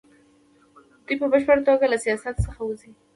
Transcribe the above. دوی په بشپړه توګه له سیاست څخه وځي.